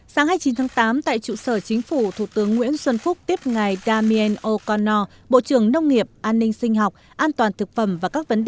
sáng hai mươi chín tháng tám tại trụ sở chính phủ thủ tướng nguyễn xuân phúc tiếp ngài damien o connor bộ trưởng nông nghiệp an ninh sinh học an toàn thực phẩm và các tổ chức quốc tế